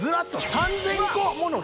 ３，０００個！